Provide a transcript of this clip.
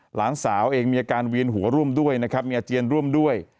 หลานสาวเองมีอาการเวียนหัวร่วมด้วยนะครับมีอาเจียนร่วมด้วย